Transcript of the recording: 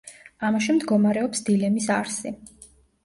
ამაში მდგომარეობს დილემის არსი.